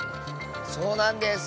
そうなんです！